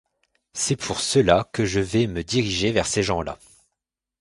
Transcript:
C'est pour cela que je vais me diriger vers ces gens-là.